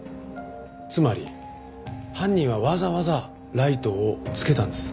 つまり犯人はわざわざライトをつけたんです。